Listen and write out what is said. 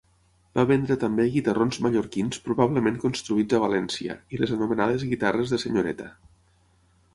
Va vendre també guitarrons mallorquins probablement construïts a València i les anomenades guitarres de senyoreta.